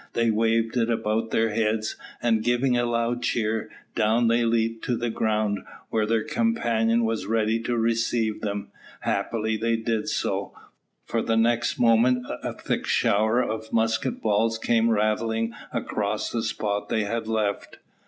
They waved it about their heads; and, giving a loud cheer, down they leaped to the ground, where their companion was ready to receive them. Happily they did so, for the next moment a thick shower of musket balls came rattling across the spot they had left.